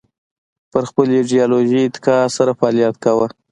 پر خپلې ایدیالوژۍ اتکا سره فعالیت کاوه